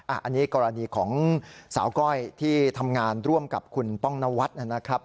อันนี้กรณีของสาวก้อยที่ทำงานร่วมกับคุณป้องนวัดนะครับ